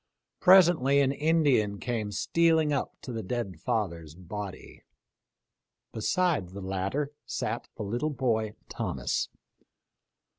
Presently an Indian came stealing up to the dead father's body. Beside the latter sat the little boy Thomas.